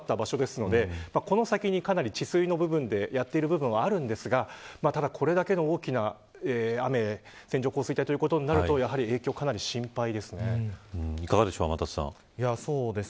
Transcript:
佐賀は、もともと非常に水害が多かった場所ですのでこの先にかなり治水の部分でやっている部分はあるんですがただ、これだけの大きな雨線状降水帯ということになると天達さん、いかがでしょう。